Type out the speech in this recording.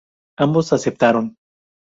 Ambos aceptaron.